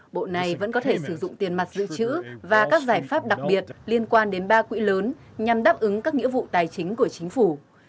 bộ này vẫn có thể sử dụng tiền mặt dự trữ và các giải pháp đặc biệt liên quan đến ba quỹ lớn nhằm đáp ứng các nghĩa vụ tài chính của chính phủ